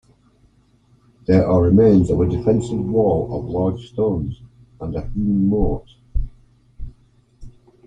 There are remains of a defensive wall of large stones, and a hewn moat.